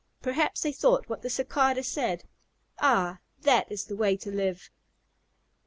Perhaps they thought what the Cicada said, "Ah, that is the way to live!"